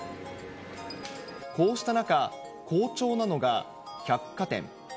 こうした中、好調なのが、百貨店。